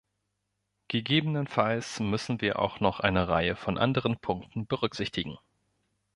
Gegebenenfalls müssen wir auch noch eine Reihe von anderen Punkten berücksichtigen.